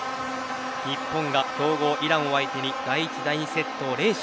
日本が、強豪イランを相手に第１、第２セットを連取。